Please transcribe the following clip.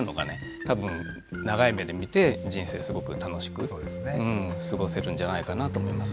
多分長い目で見て人生すごく楽しく過ごせるんじゃないかなと思います。